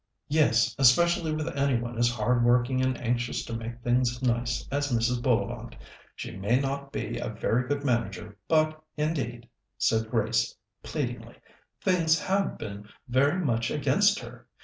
"Yes, especially with any one as hard working and anxious to make things nice as Mrs. Bullivant. She may not be a very good manager, but, indeed," said Grace pleadingly, "things have been very much against her.